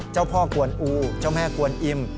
เจ้าพ่อกวนอูเจ้าแม่กวนอิ่ม